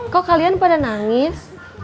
kok kalian pada nangis